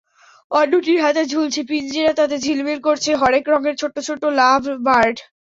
অন্যটির হাতে ঝুলছে পিঞ্জিরা, তাতে ঝিলমিল করছে হরেক রঙের ছোট্ট ছোট্ট লাভবার্ড।